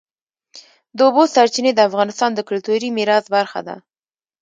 د اوبو سرچینې د افغانستان د کلتوري میراث برخه ده.